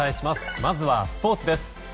まずはスポーツです。